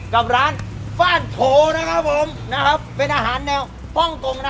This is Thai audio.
กับร้านฟ่านโถนะครับผมนะครับเป็นอาหารแนวฮ่องกงนะครับ